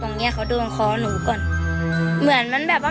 วันนี้ค่ะเขาจะตีตรงหลังแต่เจ้าจะเรื่องขอหนูก่อน